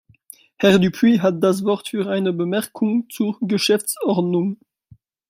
Herr Dupuis hat das Wort für eine Bemerkung zur Geschäftsordnung.